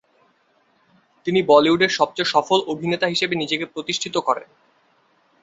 তিনি বলিউডের সবচেয়ে সফল অভিনেতা হিসেবে নিজেকে প্রতিষ্ঠিত করেন।